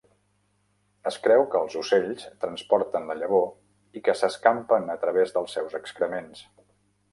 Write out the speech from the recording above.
Es creu que els ocells transporten la llavor i que s'escampen a través dels seus excrements.